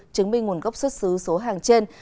chứng minh nguồn gốc xuất xứ số hàng trên